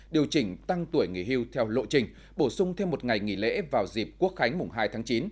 điều chỉnh tăng tuổi nghỉ hưu theo lộ trình bổ sung thêm một ngày nghỉ lễ vào dịp quốc khánh mùng hai tháng chín